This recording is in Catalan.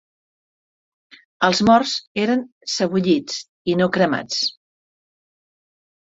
Els morts eren sebollits i no cremats.